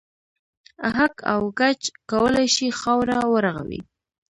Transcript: اهک او ګچ کولای شي خاوره و رغوي.